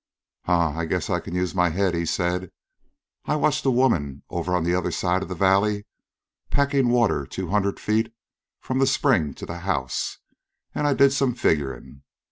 "Huh! I guess I can use my head," he said. "I watched a woman over on the other side of the valley, packin' water two hundred feet from the spring to the house; an' I did some figurin'.